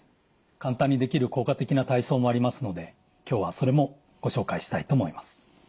簡単にできる効果的な体操もありますので今日はそれもご紹介したいと思います。